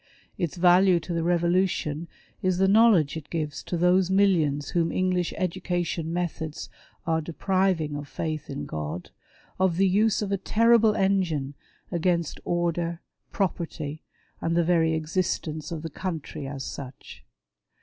Its value to the Eevolution is the knowledge it gives to those millions whom English education methods are depriving of faith in God, of the use of a terrible engine against order, property, and the very existence of the country as such.